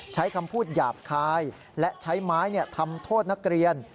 ใช้คำพูดหยาบคายและใช้ไม้ทำโทษนักเรียน